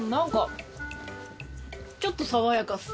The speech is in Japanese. ちょっと爽やかです